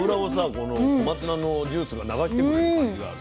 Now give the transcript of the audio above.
この小松菜のジュースが流してくれる感じがある。